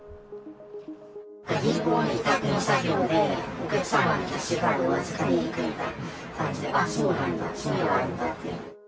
銀行の委託の作業で、お客様のキャッシュカードを預かりに行くみたいな感じで、ああ、そうなんだ、そういうのがあるんだって。